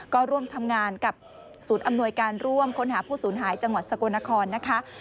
ก็ร่วมทำงานกับศูนย์อำนวยการร่วมค้นหาผู้สูญหายจังหวัดสกลนครนะคะ